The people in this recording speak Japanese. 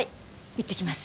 いってきます。